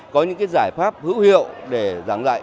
có những giải pháp hữu hiệu để giảng dạy